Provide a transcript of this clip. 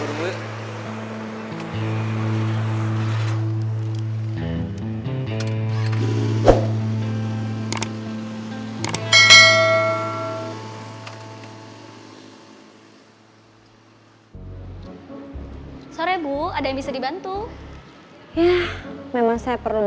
nih ada telpon